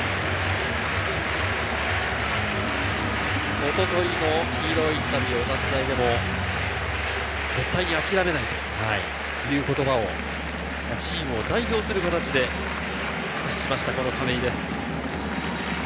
一昨日のヒーローインタビューでも絶対に諦めないという言葉を、チームを代表する形で発しました、亀井です。